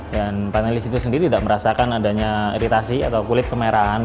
dan panelis itu sendiri tidak merasakan adanya iritasi atau kulit kemarahan